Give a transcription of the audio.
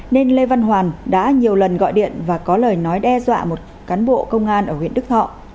nên lê văn hoàn đã nhiều lần gọi điện và có lời nói đe dọa một cán bộ công an ở huyện đức thọ